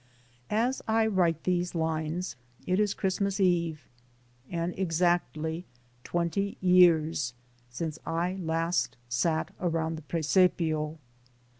As I write these lines, it is Christmas Eve, and exactly twenty years since I last sat around the Prcsepio.